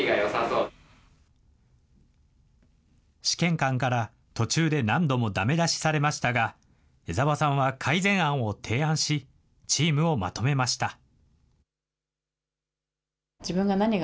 試験官から、途中で何度もだめ出しされましたが、江澤さんは改善案を提案し、チームをまとめました。